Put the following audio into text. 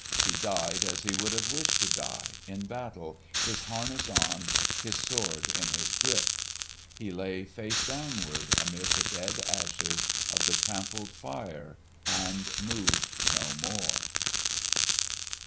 He died as he would have wished to die, in battle, his harness on, his sword in his grip. He lay face downward amid the dead ashes of the trampled fire and moved no more.